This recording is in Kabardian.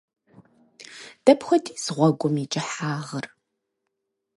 Дапхуэдиз гъуэгум и кӏыхьагъыр?